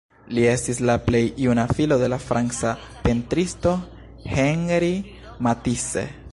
Li estis la plej juna filo de la franca pentristo Henri Matisse.